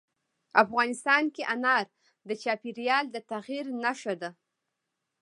افغانستان کې انار د چاپېریال د تغیر نښه ده.